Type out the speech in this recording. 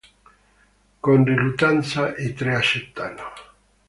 Con riluttanza, i tre accettano.